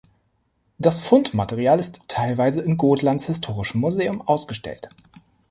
Das Fundmaterial ist teilweise in Gotlands Historischem Museum ausgestellt.